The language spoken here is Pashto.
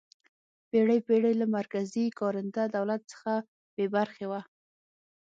پېړۍ پېړۍ له مرکزي او کارنده دولت څخه بې برخې وه.